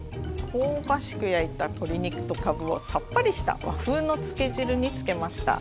香ばしく焼いた鶏肉とかぶをさっぱりした和風のつけ汁につけました。